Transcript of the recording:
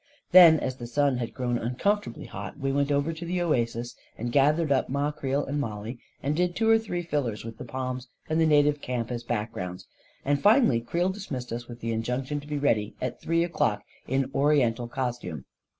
Then, as the sun had grown uncomfortably hot, we went over to the oasis, and gathered up Ma Creel and Mollie, and did two or three fillers with the palms and the native camp as backgrounds ; and finally Creel dismissed us with the injunction to be ready at three o'clock in Oriental costume.